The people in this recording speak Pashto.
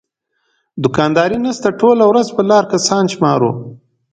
دوکانداري نشته ټوله ورځ په لاره کسان شمارو.